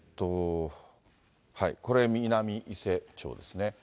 これ、南伊勢町ですね。